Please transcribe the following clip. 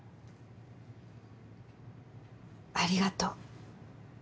ありがとう。